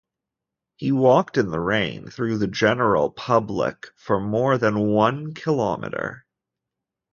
He walked in the rain through the general public for more than one kilometre.